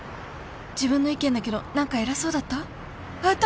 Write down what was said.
自分の意見だけど何か偉そうだった？